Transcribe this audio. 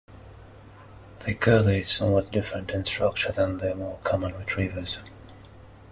The Curly is somewhat different in structure than the more common retrievers.